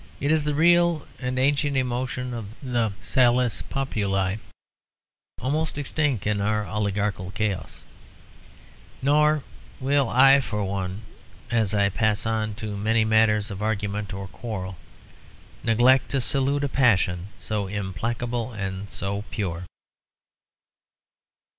It is the real and ancient emotion of the salus populi, almost extinct in our oligarchical chaos; nor will I for one, as I pass on to many matters of argument or quarrel, neglect to salute a passion so implacable and so pure.